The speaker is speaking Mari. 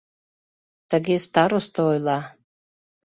Тыге старосто ойла.